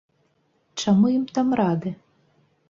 Чаму ім там рады?